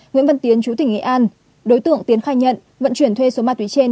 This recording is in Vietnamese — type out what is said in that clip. nguyễn văn tiến chú tỉnh nghệ an đối tượng tiến khai nhận vận chuyển thuê số ma túy trên